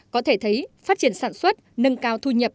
có thể thấy phát triển sản xuất nâng cao thu nhập